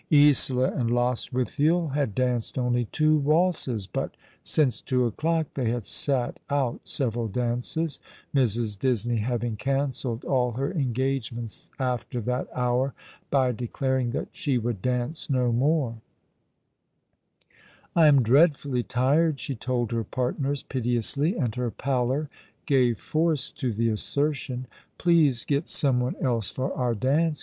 Isola and Lostwithiel had danced only two waltzes, but '• The Child cheek bhtshiiig Sca^detT 69 since two o'clock they had sat out several dances, Mrs. Disney having cancelled all her engagements after that hour by declaring that she would dance no more. " I am dreadfully tired," she told her partners piteoi^ly, and her pallor gave force to the assertion. " Please get surno one else for our dance.